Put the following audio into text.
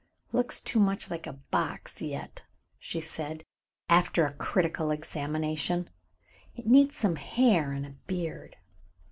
"Looks too much like a box yet," she said, after a critical examination. "It needs some hair and a beard.